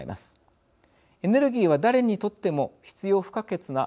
エネルギーは誰にとっても必要不可欠な戦略的な物資です。